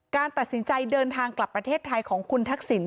การตัดสินใจเดินทางกลับประเทศไทยของคุณทักษิณ